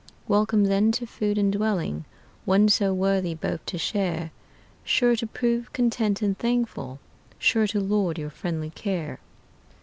Welcome then to food and dwelling One so worthy both to share, Sure to prove content and thankful, Sure to laud your friendly care."